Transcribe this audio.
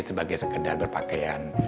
sebagai sekedar berpakaian